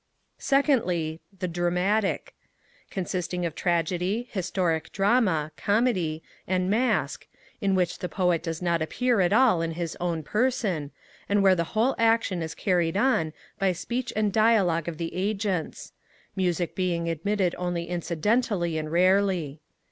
2ndly, The Dramatic, consisting of Tragedy, Historic Drama, Comedy, and Masque, in which the Poet does not appear at all in his own person, and where the whole action is carried on by speech and dialogue of the agents; music being admitted only incidentally and rarely.